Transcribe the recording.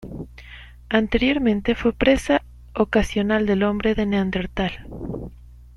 Anteriormente fue presa ocasional del hombre de Neandertal.